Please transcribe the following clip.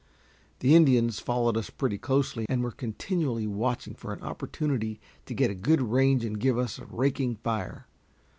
The Indians followed us pretty closely, and were continually watching for an opportunity to get a good range and give us a raking fire.